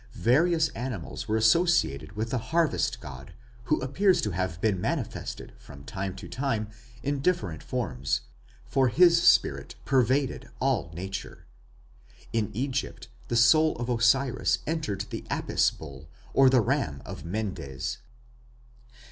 Various animals were associated with the harvest god, who appears to have been manifested from time to time in different forms, for his spirit pervaded all nature. In Egypt the soul of Osiris entered the Apis bull or the ram of Mendes.